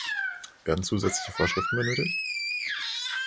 Werden zusätzliche Vorschriften benötigt?